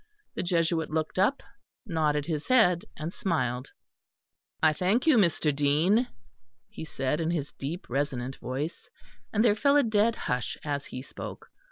The Jesuit looked up, nodded his head, and smiled. "I thank you, Mr. Dean," he said, in his deep resonant voice, and there fell a dead hush as he spoke.